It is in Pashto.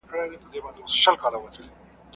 ایا تاسې له خپلو ماشومانو سره ګرځېدو ته ځئ؟